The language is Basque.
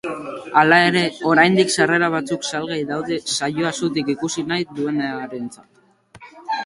Hala ere, oraindik sarrera batzuk salgai daude saioa zutik ikusi nahi duenarentzat.